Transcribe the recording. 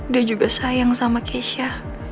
dia juga sayang sama keisha